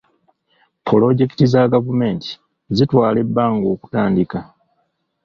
Pulojekiti za gavumenti zitwala ebbanga okutandika.